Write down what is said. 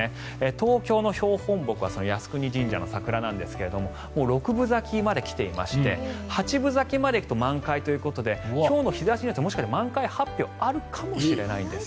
東京の標本木は靖国神社の桜なんですがもう六分咲きまで来ていまして八分咲きまで行くと満開ということで今日の日差しによってはもしかして満開発表があるかもしれないんです。